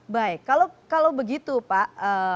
baik kalau begitu pak